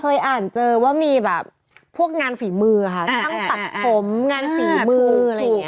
เคยอ่านเจอว่ามีแบบพวกงานฝีมือค่ะช่างตัดผมงานฝีมืออะไรอย่างนี้